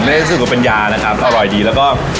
ได้รู้สึกว่าเป็นยานะครับอร่อยดีแล้วก็